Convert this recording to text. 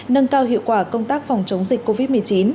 nâng cao hiệu quả công tác phòng chống dịch covid một mươi chín